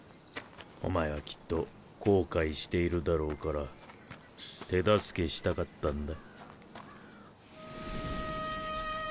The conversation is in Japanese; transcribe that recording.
お前はきっと後悔しているだろうから手助けしたかったんだ。